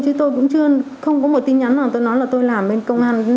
chứ tôi cũng chưa không có một tin nhắn nào tôi nói là tôi làm bên công an với nội thi tiện